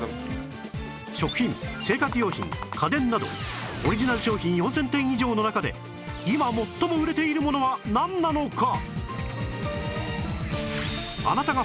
食品生活用品家電などオリジナル商品４０００点以上の中で今最も売れているものはなんなのか？